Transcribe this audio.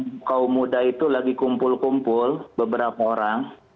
nah kaum muda itu lagi kumpul kumpul beberapa orang